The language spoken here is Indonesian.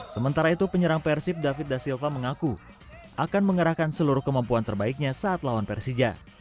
sementara itu penyerang persib david da silva mengaku akan mengerahkan seluruh kemampuan terbaiknya saat lawan persija